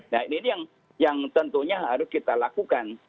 nah ini yang tentunya harus kita lakukan